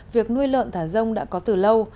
việc nuôi lợn thả rông đã có từ lâu